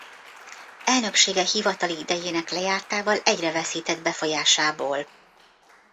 Elnöksége hivatali idejének lejártával egyre veszített befolyásából.